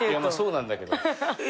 まあそうなんだけど。